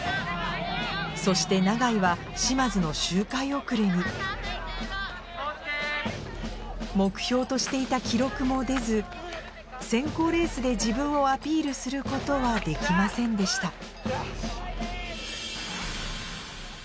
そして永井は嶋津の周回遅れに目標としていた記録も出ず選考レースで自分をアピールすることはできませんでした